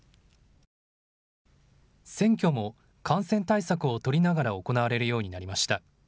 選挙も感染対策を取りながら行われるようになりました。